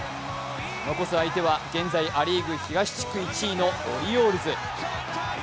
残す相手は現在ア・リーグ東地区１位のオリオールズ。